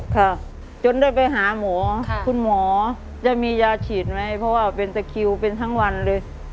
ค่ะจนได้ไปหาหมอคุณหมอจะมียาฉีดไหมเพราะว่าเป็นตะคิวเป็นทั้งวันเลย